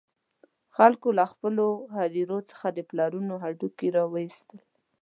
خلکو له خپلو هدیرو څخه د پلرونو هډوکي را وویستل.